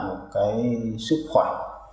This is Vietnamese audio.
một cái sức khỏe